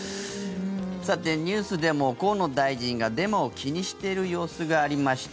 さて、ニュースでも河野大臣がデマを気にしている様子がありました。